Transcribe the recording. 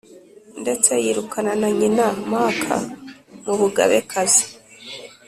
Ndetse yirukana na nyina Māka mu bugabekazi